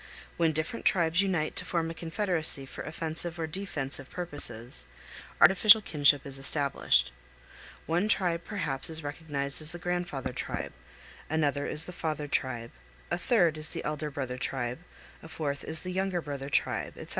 When different tribes unite to form a confederacy for offensive or defensive purposes, artificial kinship is established. One tribe perhaps is recognized as the grandfather tribe, another is the father tribe, a third is the elder brother tribe, a fourth is the younger brother tribe, etc.